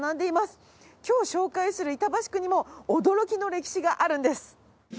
今日紹介する板橋区にも驚きの歴史があるんです。